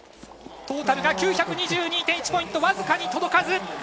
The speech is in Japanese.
トータルが９２２．１ポイント、僅かに届かず。